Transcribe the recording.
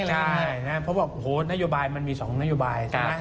ใช่นะเพราะบอกนโยบายมันมี๒นโยบายใช่ไหม